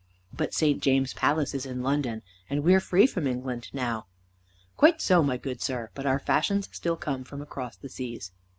"But St. James' Palace is in London, and we're free from England now." "Quite so, my good sir. But our fashions still come from across the seas."